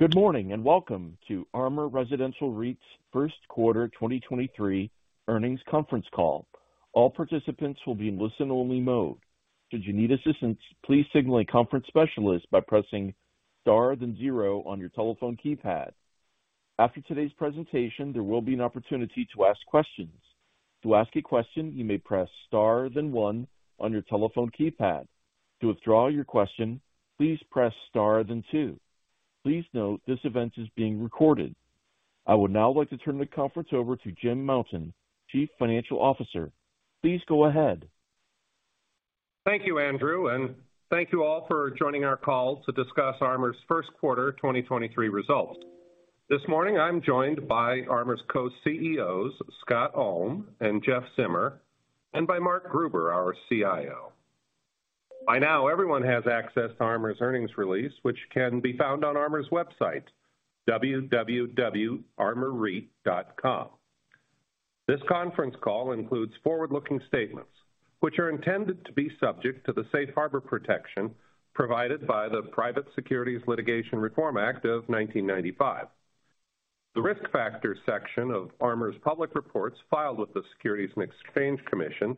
Good morning, and welcome to ARMOUR Residential REIT's First Quarter 2023 Earnings Conference Call. All participants will be in listen-only mode. Should you need assistance, please signal a conference specialist by pressing star then zero on your telephone keypad. After today's presentation, there will be an opportunity to ask questions. To ask a question, you may press star then one on your telephone keypad. To withdraw your question, please press star then two. Please note this event is being recorded. I would now like to turn the conference over to Jim Mountain, Chief Financial Officer. Please go ahead. Thank you, Andrew, and thank you all for joining our call to discuss ARMOUR's first quarter 2023 results. This morning, I'm joined by ARMOUR's co-CEOs, Scott Ulm and Jeff Zimmer, and by Mark Gruber, our CIO. By now, everyone has access to ARMOUR's earnings release, which can be found on ARMOUR's website, www.armourreit.com. This conference call includes forward-looking statements, which are intended to be subject to the safe harbor protection provided by the Private Securities Litigation Reform Act of 1995. The Risk Factors section of ARMOUR's public reports filed with the Securities and Exchange Commission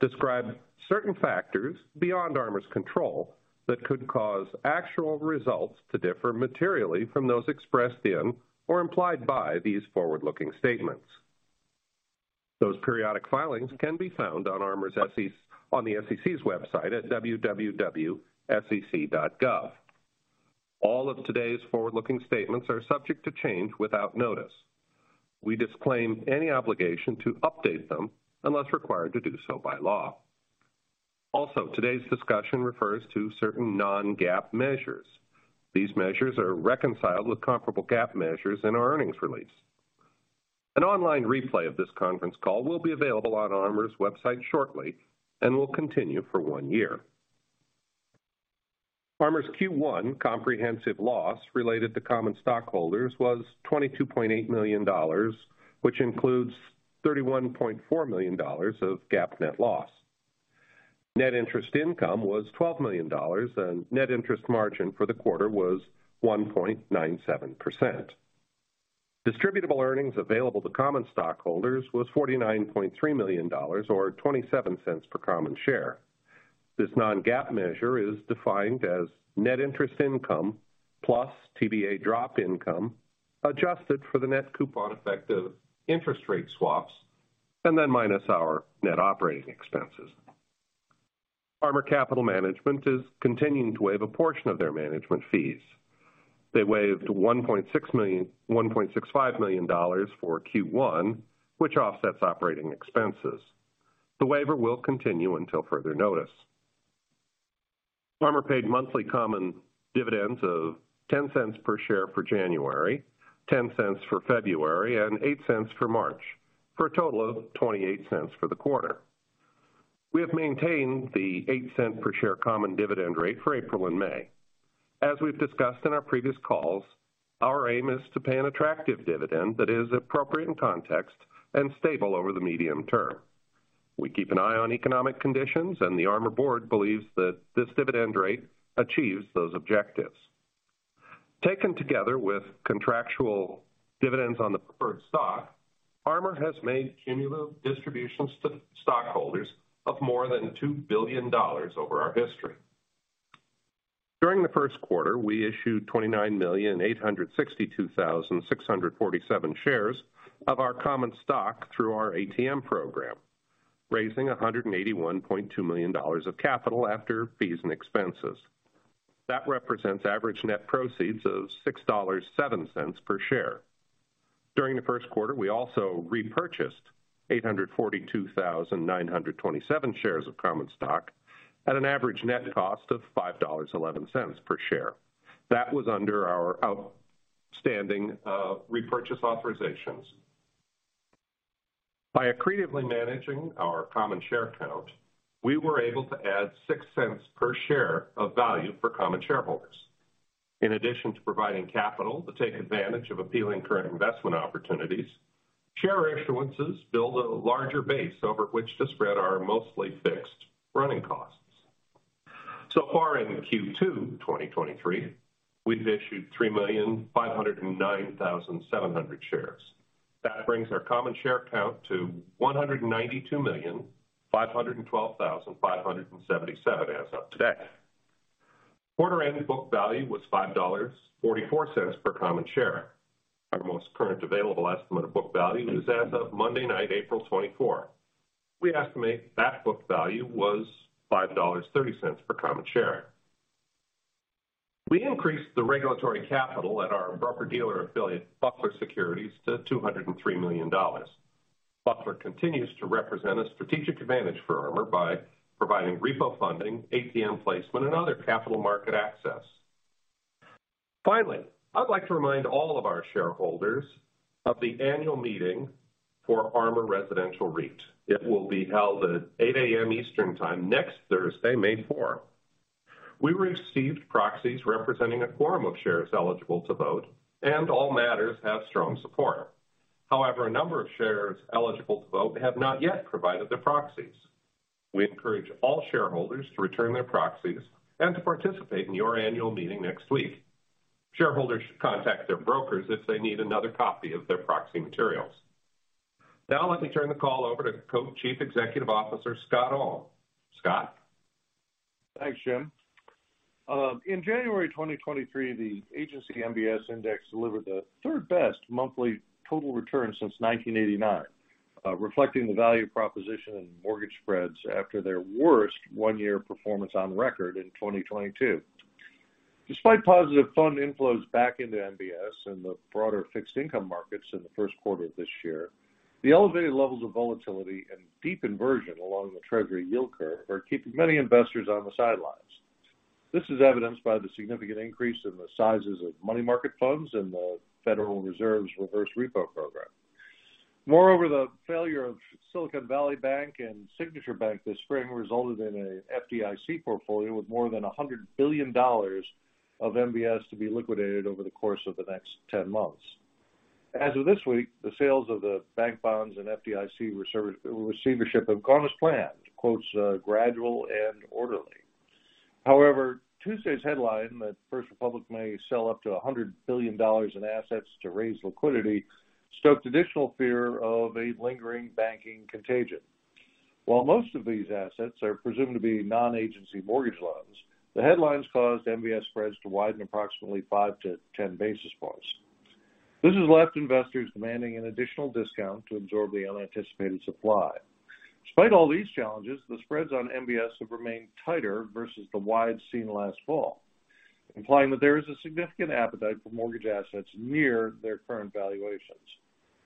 describes certain factors beyond ARMOUR's control that could cause actual results to differ materially from those expressed in or implied by these forward-looking statements. Those periodic filings can be found on ARMOUR's on the SEC's website at www.sec.gov. All of today's forward-looking statements are subject to change without notice. We disclaim any obligation to update them unless required to do so by law. Today's discussion refers to certain non-GAAP measures. These measures are reconciled with comparable GAAP measures in our earnings release. An online replay of this conference call will be available on ARMOUR's website shortly and will continue for one year. ARMOUR's Q1 comprehensive loss related to common stockholders was $22.8 million, which includes $31.4 million of GAAP net loss. Net interest income was $12 million, and net interest margin for the quarter was 1.97%. Distributable earnings available to common stockholders were $49.3 million or $0.27 per common share. This non-GAAP measure is defined as net interest income plus TBA drop income, adjusted for the net coupon effect of interest rate swaps, and then minus our net operating expenses. ARMOUR Capital Management is continuing to waive a portion of its management fees. They waived $1.65 million for Q1, which offsets operating expenses. The waiver will continue until further notice. ARMOUR paid monthly common dividends of $0.10 per share for January, $0.10 for February, and $0.08 for March, for a total of $0.28 for the quarter. We have maintained the $0.08 per share common dividend rate for April and May. As we've discussed in our previous calls, our aim is to pay an attractive dividend that is appropriate in context and stable over the medium term. The ARMOUR board believes that this dividend rate achieves those objectives. Taken together with contractual dividends on the preferred stock, ARMOUR has made cumulative distributions to stockholders of more than $2 billion over our history. During the first quarter, we issued 29,862,647 shares of our common stock through our ATM program, raising $181.2 million of capital after fees and expenses. That represents average net proceeds of $6.07 per share. During the first quarter, we also repurchased 842,927 shares of common stock at an average net cost of $5.11 per share. That was under our outstanding repurchase authorizations. By accretively managing our common share count, we were able to add $0.06 per share of value for common shareholders. In addition to providing capital to take advantage of appealing current investment opportunities, share issuances build a larger base over which to spread our mostly fixed running costs. In Q2 2023, we've issued 3,509,700 shares. That brings our common share count to 192,512,577 as of today. Quarter-end book value was $5.44 per common share. Our most current available estimate of book value is as of Monday night, April 24. We estimate that book value was $5.30 per common share. We increased the regulatory capital at our broker-dealer affiliate, BUCKLER Securities, to $203 million. BUCKLER continues to represent a strategic advantage for ARMOUR by providing repo funding, ATM placement, and other capital market access. Finally, I'd like to remind all of our shareholders of the annual meeting for ARMOUR Residential REIT. It will be held at 8:00 A.M. Eastern Time next Thursday, May 4th. We received proxies representing a quorum of shares eligible to vote, and all matters have strong support. A number of shares eligible to vote have not yet provided their proxies. We encourage all shareholders to return their proxies and to participate in your annual meeting next week. Shareholders should contact their brokers if they need another copy of their proxy materials. Let me turn the call over to Co-Chief Executive Officer Scott Ulm. Scott? Thanks, Jim. In January 2023, the agency MBS index delivered the third best monthly total return since 1989, reflecting the value proposition in mortgage spreads after their worst one-year performance on record in 2022. Despite positive fund inflows back into MBS and the broader fixed income markets in the first quarter of this year, the elevated levels of volatility and steep inversion along the Treasury yield curve are keeping many investors on the sidelines. This is evidenced by the significant increase in the sizes of money market funds in the Federal Reserve's reverse repo program. Moreover, the failure of Silicon Valley Bank and Signature Bank this spring resulted in an FDIC portfolio with more than $100 billion of MBS to be liquidated over the course of the next 10 months. As of this week, the sales of the bank bonds and FDIC receivership have gone as planned. Quotes: "Gradual and orderly." Tuesday's headline that First Republic may sell up to $100 billion in assets to raise liquidity stoked additional fear of a lingering banking contagion. While most of these assets are presumed to be non-agency mortgage loans, the headlines caused MBS spreads to widen approximately 5 to 10 basis points. This has left investors demanding an additional discount to absorb the unanticipated supply. Despite all these challenges, the spreads on MBS have remained tighter versus the wides seen last fall, implying that there is a significant appetite for mortgage assets near their current valuations.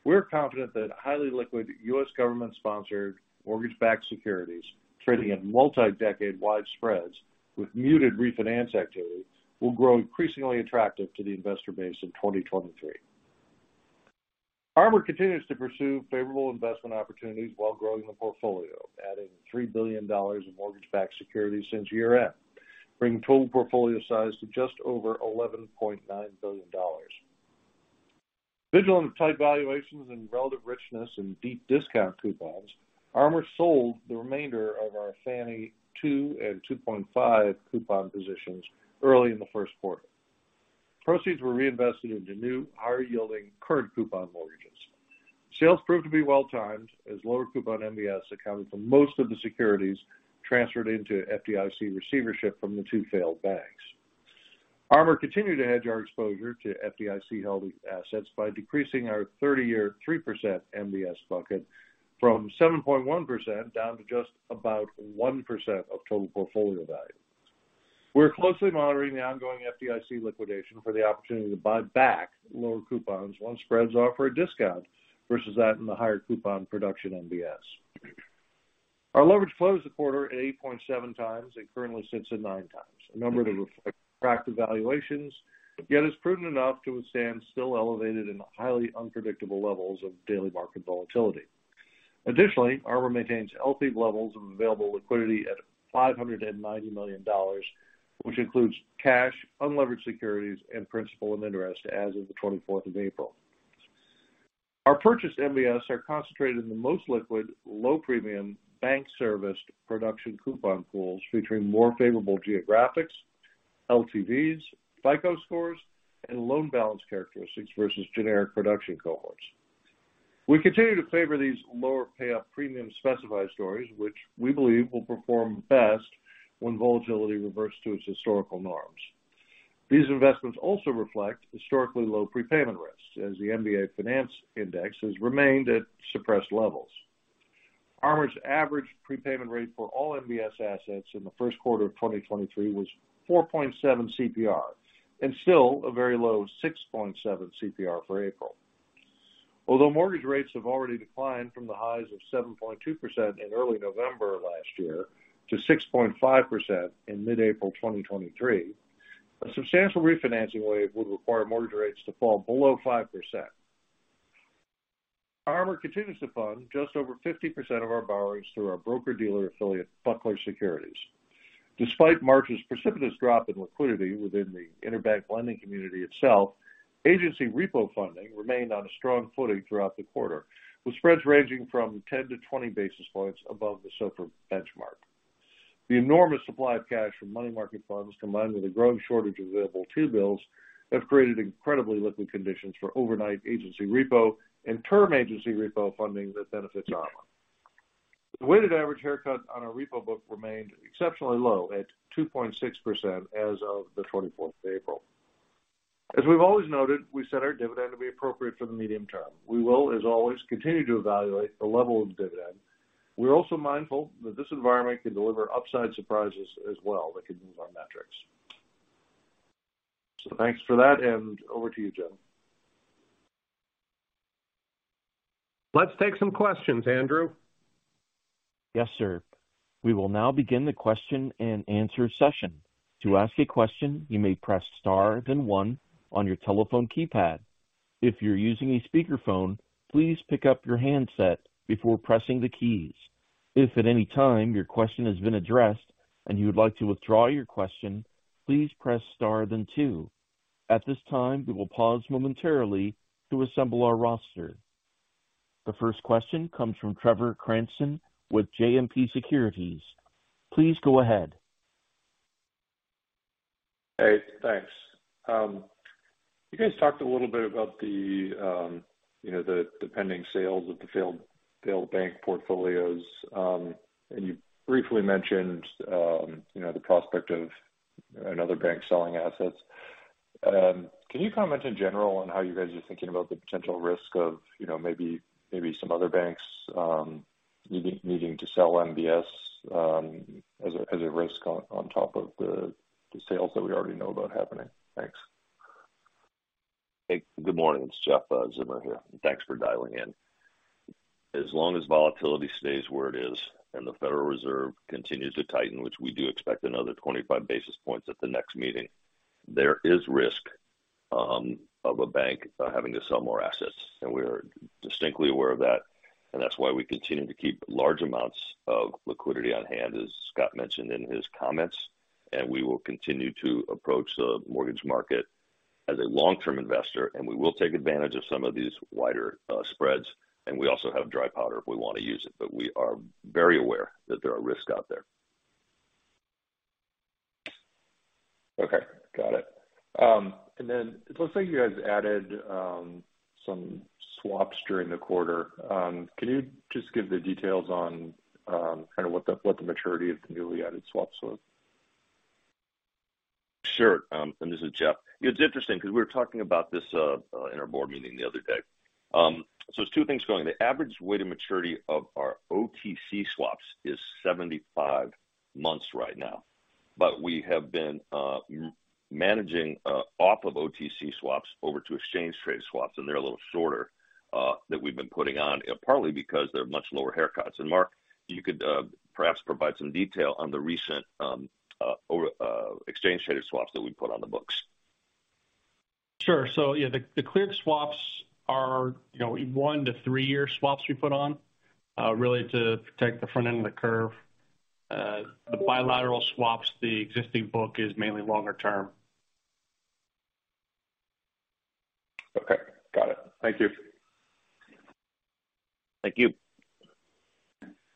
We're confident that highly liquid U.S. government-sponsored mortgage-backed securities trading at multi-decade-wide spreads with muted refinance activity will grow increasingly attractive to the investor base in 2023. ARMOUR continues to pursue favorable investment opportunities while growing the portfolio, adding $3 billion in mortgage-backed securities since year-end, bringing total portfolio size to just over $11.9 billion. Vigilant tight valuations and relative richness and deep discount coupons, ARMOUR sold the remainder of our Fannie 2.0 and 2.5 coupon positions early in the first quarter. Proceeds were reinvested into new, higher yielding current coupon mortgages. Sales proved to be well-timed as lower coupon MBS accounted for most of the securities transferred into FDIC receivership from the two failed banks. ARMOUR continued to hedge our exposure to FDIC-held assets by decreasing our 30-year 3% MBS bucket from 7.1% down to just about 1% of total portfolio value. We're closely monitoring the ongoing FDIC liquidation for the opportunity to buy back lower coupons once spreads offer a discount versus that in the higher coupon production MBS. Our leverage closed the quarter at 8.7x and currently sits at 9x, a number that reflects attractive valuations, yet is prudent enough to withstand still elevated and highly unpredictable levels of daily market volatility. Additionally, ARMOUR maintains healthy levels of available liquidity at $590 million, which includes cash, unlevered securities, and principal and interest as of the 24th of April. Our purchased MBS are concentrated in the most liquid, low-premium, bank-serviced production coupon pools featuring more favorable geographics, LTVs, FICO scores, and loan balance characteristics versus generic production cohorts. We continue to favor these lower payoff premium specified stories, which we believe will perform best when volatility reverts to its historical norms. These investments also reflect historically low prepayment risks, as the MBA Mortgage Applications Index has remained at suppressed levels. ARMOUR's average prepayment rate for all MBS assets in the first quarter of 2023 was 4.7 CPR, and still a very low 6.7 CPR for April. Although mortgage rates have already declined from the highs of 7.2% in early November of last year to 6.5% in mid-April 2023, a substantial refinancing wave would require mortgage rates to fall below 5%. ARMOUR continues to fund just over 50% of our borrowers through our broker-dealer affiliate, BUCKLER Securities. Despite March's precipitous drop in liquidity within the interbank lending community itself, agency repo funding remained on a strong footing throughout the quarter, with spreads ranging from 10-20 basis points above the SOFR benchmark. The enormous supply of cash from money market funds, combined with a growing shortage of available T-bills, have created incredibly liquid conditions for overnight agency repo and term agency repo funding that benefits ARMOUR. The weighted average haircut on our repo book remained exceptionally low at 2.6% as of the 24th of April. As we've always noted, we set our dividend to be appropriate for the medium term. We will, as always, continue to evaluate the level of the dividend. We're also mindful that this environment can deliver upside surprises as well that could move our metrics. Thanks for that, and over to you, Jim. Let's take some questions, Andrew. Yes, sir. We will now begin the question and answer session. To ask a question, you may press star then one on your telephone keypad. If you're using a speakerphone, please pick up your handset before pressing the keys. If at any time your question has been addressed and you would like to withdraw your question, please press star then two. At this time, we will pause momentarily to assemble our roster. The first question comes from Trevor Cranston with JMP Securities. Please go ahead. Hey, thanks. You guys talked a little bit about the, you know, the pending sales of the failed bank portfolios. You briefly mentioned, you know, the prospect of another bank selling assets. Can you comment in general on how you guys are thinking about the potential risk of, you know, maybe some other banks needing to sell MBS, as a risk on top of the sales that we already know about happening? Thanks. Hey, good morning. It's Jeff Zimmer here. Thanks for dialing in. As long as volatility stays where it is and the Federal Reserve continues to tighten, which we do expect another 25 basis points at the next meeting, there is risk of a bank having to sell more assets. We're distinctly aware of that, and that's why we continue to keep large amounts of liquidity on hand, as Scott mentioned in his comments. We will continue to approach the mortgage market as a long-term investor, and we will take advantage of some of these wider spreads. We also have dry powder if we want to use it. We are very aware that there are risks out there. Okay, got it. It looks like you guys added some swaps during the quarter. Can you just give the details on kind of what the maturity of the newly added swaps was? Sure. This is Jeff. You know, it's interesting because we were talking about this in our board meeting the other day. There's two things going. The average weighted maturity of our OTC swaps is 75 months right now. We have been managing off of OTC swaps over to exchange-traded swaps, and they're a little shorter that we've been putting on partly because they're much lower haircuts. Mark, you could perhaps provide some detail on the recent exchange-traded swaps that we put on the books. Sure. Yeah, the cleared swaps are, you know, 1-3-year swaps we put on really to protect the front end of the curve. The bilateral swaps, the existing book is mainly longer term. Got it. Thank you. Thank you.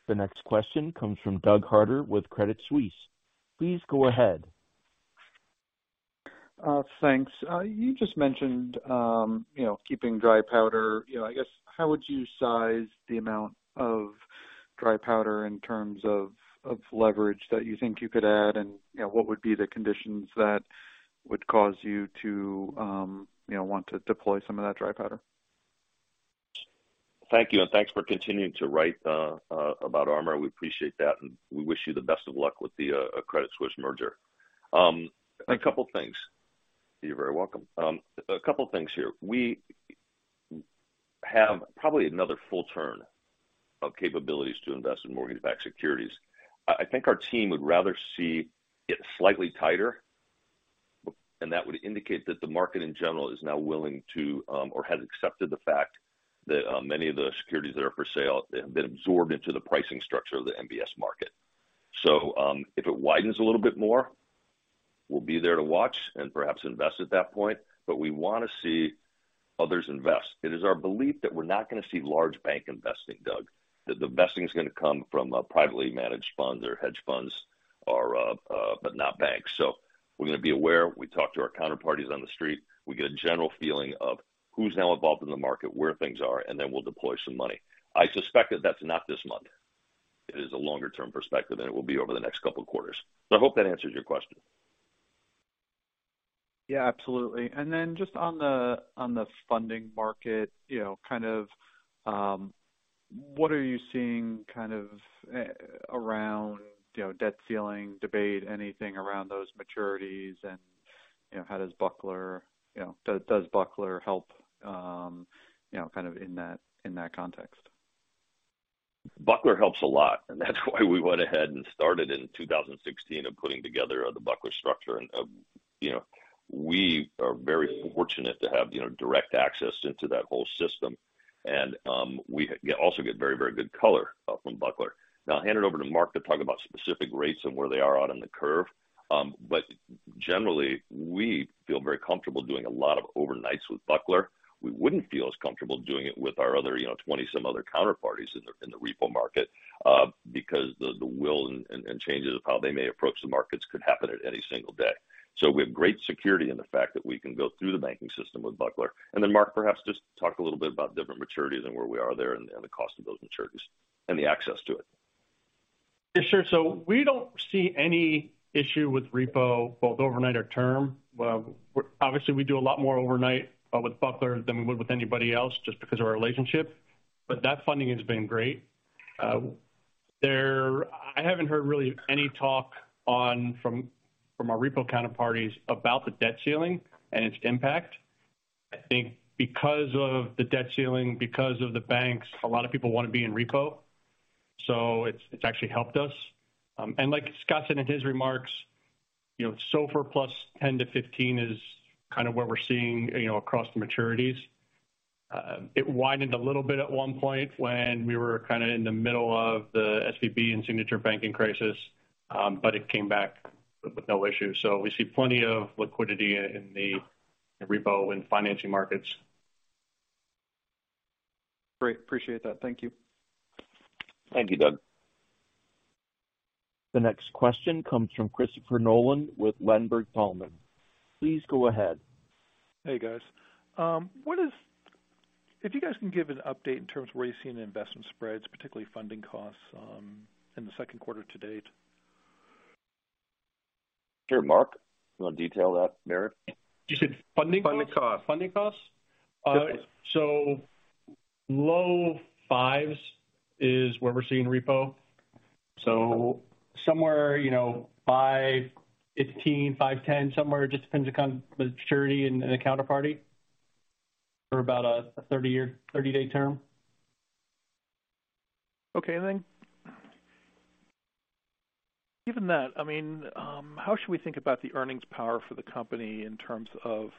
The next question comes from Doug Harter with Credit Suisse. Please go ahead. Thanks. You just mentioned, you know, keeping dry powder. You know, I guess how would you size the amount of dry powder in terms of leverage that you think you could add? What would be the conditions that would cause you to, you know, want to deploy some of that dry powder? Thank you. Thanks for continuing to write about ARMOUR. We appreciate that, and we wish you the best of luck with the Credit Suisse merger. Thank you. A couple things. You're very welcome. A couple things here. We have probably another full turn of capabilities to invest in mortgage-backed securities. I think our team would rather see it slightly tighter, and that would indicate that the market in general is now willing to, or has accepted the fact that many of the securities that are for sale have been absorbed into the pricing structure of the MBS market. If it widens a little bit more, we'll be there to watch and perhaps invest at that point. We wanna see others invest. It is our belief that we're not gonna see large bank investing, Doug. The investing is gonna come from privately managed funds or hedge funds or but not banks. We're gonna be aware. We talk to our counterparties on The Street. We get a general feeling of who's now involved in the market, where things are, and then we'll deploy some money. I suspect that that's not this month. It is a longer term perspective, and it will be over the next couple quarters. I hope that answers your question. Yeah, absolutely. Then just on the, on the funding market, you know, kind of, what are you seeing kind of, around, you know, debt ceiling debate, anything around those maturities? You know, how does BUCKLER, does BUCKLER help, you know, kind of in that, in that context? BUCKLER helps a lot. That's why we went ahead and started in 2016 putting together the BUCKLER structure. You know, we are very fortunate to have, you know, direct access into that whole system. We also get very, very good color from BUCKLER. I'll hand it over to Mark to talk about specific rates and where they are out in the curve. Generally, we feel very comfortable doing a lot of overnights with BUCKLER. We wouldn't feel as comfortable doing it with our other, you know, 20-some other counterparties in the repo market, because the will and changes of how they may approach the markets could happen at any single day. We have great security in the fact that we can go through the banking system with BUCKLER. Mark, perhaps just talk a little bit about different maturities and where we are there and the cost of those maturities and the access to it. Sure. We don't see any issue with repo, both overnight or term. Obviously, we do a lot more overnight with BUCKLER Securities than we would with anybody else just because of our relationship. That funding has been great. I haven't heard really any talk on from our repo counterparties about the debt ceiling and its impact. I think because of the debt ceiling, because of the banks, a lot of people want to be in repo. It's actually helped us. Like Scott said in his remarks, you know, SOFR + 10-15 is kind of what we're seeing, you know, across the maturities. It widened a little bit at one point when we were kinda in the middle of the SVB and Signature Bank crisis, but it came back with no issue. We see plenty of liquidity in the repo and financing markets. Great. Appreciate that. Thank you. Thank you, Doug. The next question comes from Christopher Nolan with Ladenburg Thalmann. Please go ahead. Hey, guys. If you guys can give an update in terms of where you're seeing the investment spreads, particularly funding costs, in the second quarter to date? Sure. Mark, you want to detail that, Mark? You said funding costs? Funding costs. Funding costs? Low 5s is where we're seeing repo. Somewhere, you know, 5.15%, 5.10%, somewhere. It just depends upon the maturity and the counterparty for about a 30-day term. Okay. Given that, I mean, how should we think about the earnings power for the company in terms of,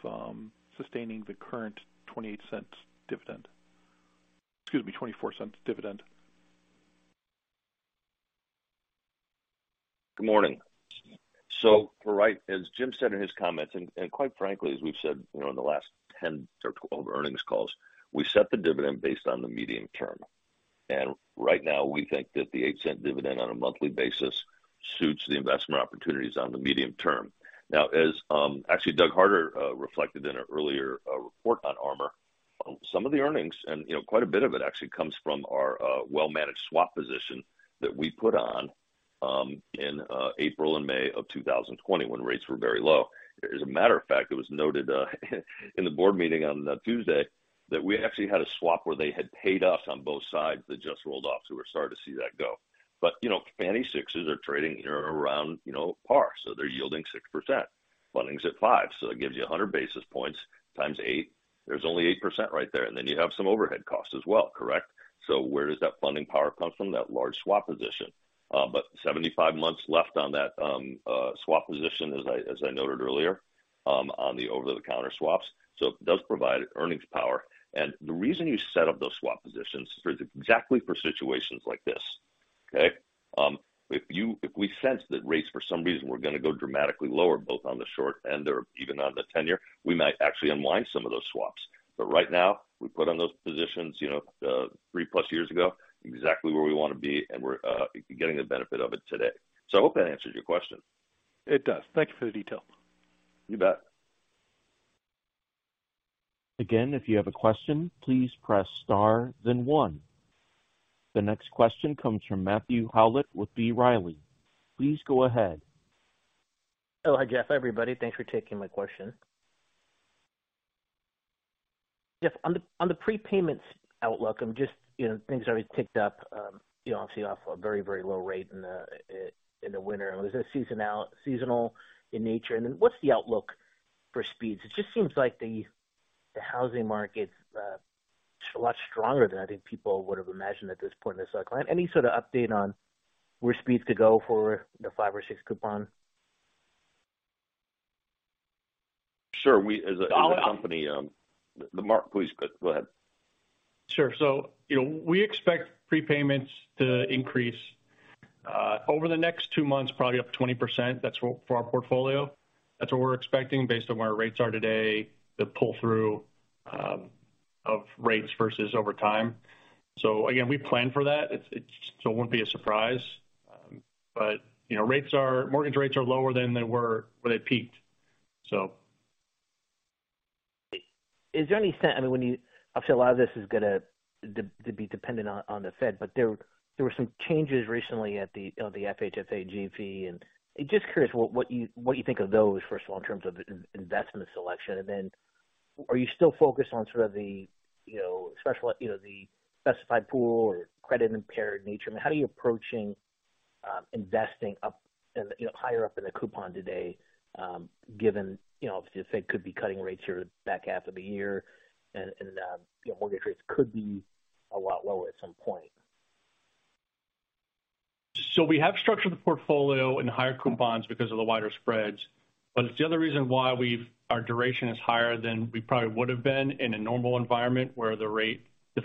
sustaining the current $0.28 dividend, excuse me, $0.24 dividend. Good morning. All right, as Jim said in his comments, and quite frankly, as we've said, you know, in the last 10-12 earnings calls, we set the dividend based on the medium term. Right now we think that the $0.08 dividend on a monthly basis suits the investment opportunities on the medium term. Now as actually Doug Harter reflected in an earlier report on ARMOUR, some of the earnings and, you know, quite a bit of it actually comes from our well-managed swap position that we put on in April and May of 2020, when rates were very low. As a matter of fact, it was noted in the board meeting on Tuesday that we actually had a swap where they had paid us on both sides that just rolled off, so we're starting to see that go. You know, Fannie 6s are trading around, you know, par, so they're yielding 6%. Funding's at 5%, so that gives you 100 basis points, 8x. There's only 8% right there. Then you have some overhead costs as well. Correct? Where does that funding power come from? That large swap position. 75 months left on that swap position as I noted earlier on the over-the-counter swaps. It does provide earnings power. The reason you set up those swap positions is exactly for situations like this. Okay? If we sense that rates for some reason were gonna go dramatically lower, both on the short end or even on the tenure, we might actually unwind some of those swaps. Right now, we put on those positions, you know, 3+ years ago, exactly where we want to be, and we're getting the benefit of it today. I hope that answers your question. It does. Thank you for the detail. You bet. Again, if you have a question, please press star then one. The next question comes from Matthew Howlett with B. Riley. Please go ahead. Hello, Jeff, everybody. Thanks for taking my question. Jeff, on the prepayments outlook, I'm just, you know, things have already ticked up, you know, obviously off a very, very low rate in the winter. Was it seasonal in nature? What's the outlook for speeds? It just seems like the housing market's a lot stronger than I think people would have imagined at this point in the cycle. Any sort of update on where speeds could go for the five or six coupon? Sure. We as a company, Mark, please go ahead. Sure. You know, we expect prepayments to increase over the next 2 months, probably up 20%. That's for our portfolio. That's what we're expecting based on where rates are today, the pull-through of rates versus over time. Again, we plan for that. It's so it won't be a surprise. You know, mortgage rates are lower than they were when they peaked. Is there any sense, I mean, when you. Obviously, a lot of this is going to be dependent on the Fed. There were some changes recently at the FHFA GSE, just curious what you think of those, first of all, in terms of in-investment selection. Are you still focused on sort of the, you know, special, you know, the specified pool or credit-impaired nature? I mean, how are you approaching investing up in the, you know, higher up in the coupon today, given, you know, if the Fed could be cutting rates here back half of the year and, you know, mortgage rates could be a lot lower at some point? We have structured the portfolio in higher coupons because of the wider spreads. It's the other reason why our duration is higher than we probably would have been in a normal environment where the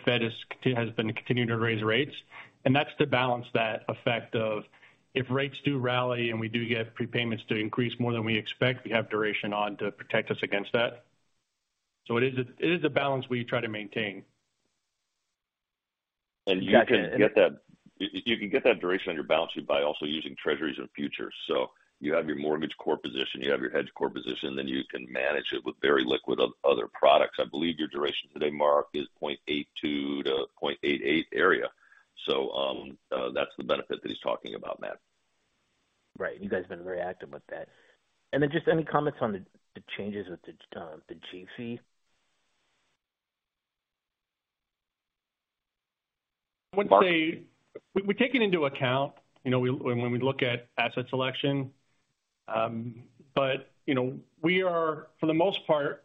Fed has been continuing to raise rates. That's to balance that effect of if rates do rally and we do get prepayments to increase more than we expect, we have duration on to protect us against that. It is a balance we try to maintain. You can get that duration on your balance sheet by also using Treasuries and futures. You have your mortgage core position, you have your hedge core position, then you can manage it with very liquid other products. I believe your duration today, Mark, is 0.82-0.88 area. That's the benefit that he's talking about, Matt. Right. You guys have been very active with that. Just any comments on the changes with the GSE? I would say we take it into account, you know, when we look at asset selection. You know, we are for the most part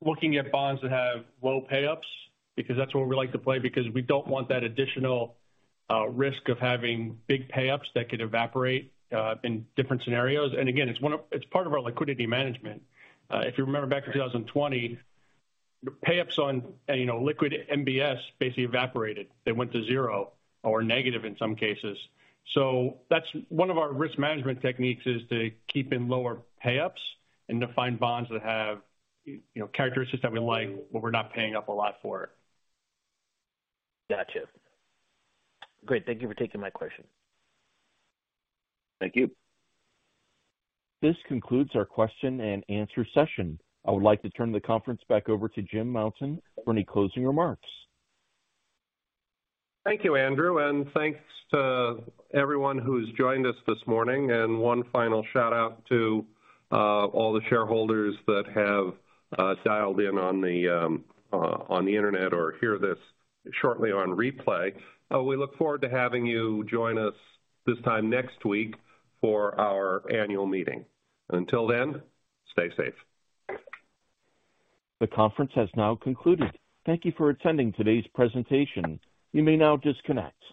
looking at bonds that have low pay-ups because that's where we like to play because we don't want that additional risk of having big pay-ups that could evaporate in different scenarios. Again, it's part of our liquidity management. If you remember back in 2020, pay-ups on, you know, liquid MBS basically evaporated. They went to 0 or negative in some cases. That's one of our risk management techniques, is to keep in lower pay-ups and to find bonds that have, you know, characteristics that we like, but we're not paying up a lot for. Gotcha. Great. Thank you for taking my question. Thank you. This concludes our question and answer session. I would like to turn the conference back over to Jim Mountain for any closing remarks. Thank you, Andrew, and thanks to everyone who's joined us this morning. One final shout-out to all the shareholders that have dialed in on the Internet or hear this shortly on replay. We look forward to having you join us this time next week for our annual meeting. Until then, stay safe. The conference has now concluded. Thank you for attending today's presentation. You may now disconnect.